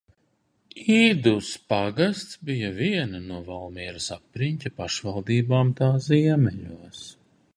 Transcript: Idus pagasts bija viena no Valmieras apriņķa pašvaldībām tā ziemeļos.